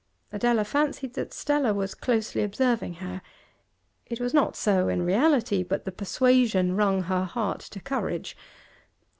Adela fancied that Stella was closely observing her; it was not so in reality, but the persuasion wrung her heart to courage.